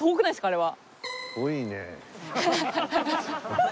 あれは。